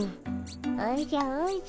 おじゃおじゃ。